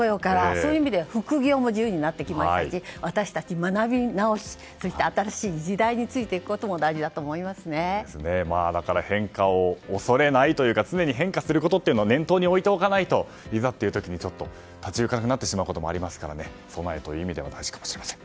そういう意味では副業も自由になってきましたし私たち、学び直しや新しい時代についていくことも変化を恐れないというか常に変化するということを念頭に置いておかないといざという時に立ち行かなくなってしまうこともありますから備えという意味で大事かもしれません。